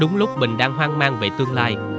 đúng lúc bình đang hoang mang về tương lai